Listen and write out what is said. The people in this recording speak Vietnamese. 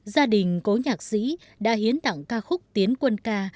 gia đình cố nhạc sĩ đã hiến tặng ca khúc tiến quân ca